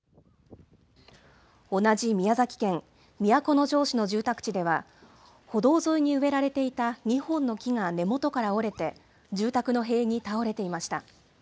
同じ宮崎県都城市の住宅では、歩道沿いに植えられていた２本の木が根元から折れて、住宅の塀に倒れていました。